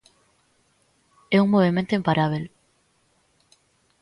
É un movemento imparábel.